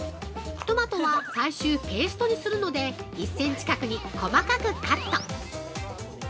トマトは最終ペーストにするので１センチ角に細かくカット。